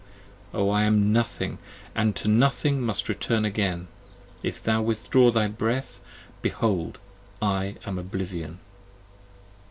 O I am nothing: and to nothing must return again: If thou withdraw thy breath, Behold I am oblivion.